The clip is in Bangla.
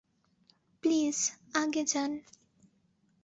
প্লিজ, আগে যান।